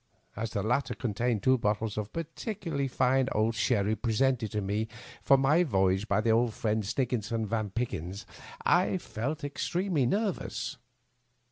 As the latter contained two bottles of particularly fine old sherry presented to me for my voy age by my old friend Snigginson van Pickyns, I felt ex tremely nervous.